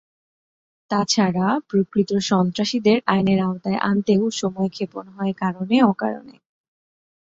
তা ছাড়া প্রকৃত সন্ত্রাসীদের আইনের আওতায় আনতেও সময়ক্ষেপণ হয় কারণে অকারণে।